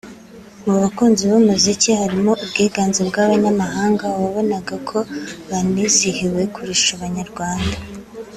mu bakunzi b’umuziki harimo ubwiganze bw’abanyamahanga wabonaga ko banizihiwe kurusha Abanyarwanda